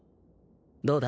どうだ？